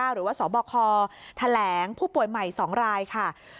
หรือว่าสบคแถลงผู้ป่วยใหม่๒รายค่ะ